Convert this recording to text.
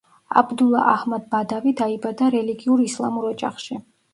აბდულა აჰმად ბადავი დაიბადა რელიგიურ ისლამურ ოჯახში.